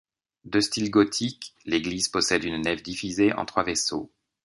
De style gothique, l'église possède une nef divisée en trois vaisseaux.